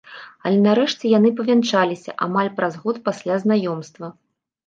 Але нарэшце яны павянчаліся, амаль праз год пасля знаёмства.